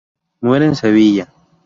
Muere en Sevilla.